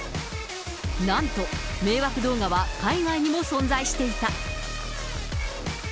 なんと、迷惑動画は海外にも存在していた。